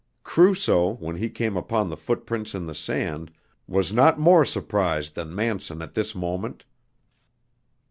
Crusoe, when he came upon the footprints in the sand, was not more surprised than Manson at this moment.